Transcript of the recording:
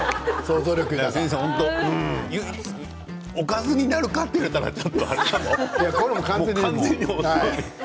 おかずになるかと言われたら、ちょっとあれかも。